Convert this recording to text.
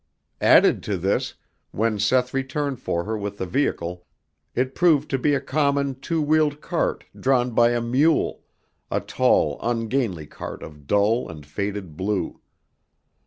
Added to this, when Seth returned for her with the vehicle, it proved to be a common two wheeled cart drawn by a mule, a tall, ungainly cart of dull and faded blue.